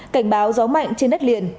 cảnh báo gió mạnh trên đất liền